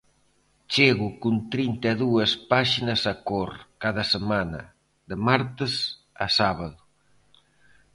Chego con trinta e dúas páxinas a cor, cada semana, de martes a sábado.